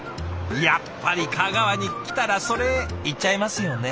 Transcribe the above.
やっぱり香川に来たらそれいっちゃいますよね。